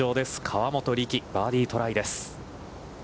河本力、バーディートライです。